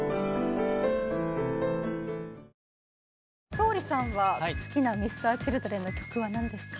勝利さんは好きなＭｒ．Ｃｈｉｌｄｒｅｎの曲は何ですか？